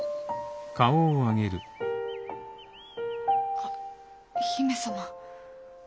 あっ姫様。